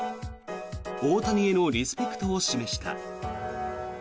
大谷へのリスペクトを示した。